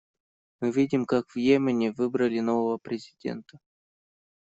Мы видим, как в Йемене выбрали нового президента.